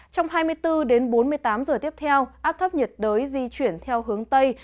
trong hai mươi bốn đến bốn mươi tám giờ tiếp theo áp thấp nhiệt đới di chuyển theo hướng tây